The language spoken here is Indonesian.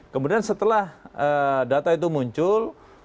kemudian setelah data itu muncul